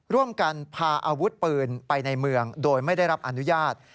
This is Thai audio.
ร่วมกันพาอาวุธปืนไปในเมืองโดยไม่ได้รับอนุญาต